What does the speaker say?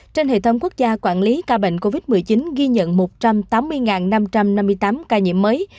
trên hệ thống quốc gia quản lý ca bệnh covid một mươi chín ghi nhận một trăm tám mươi năm trăm năm mươi tám ca nhiễm mới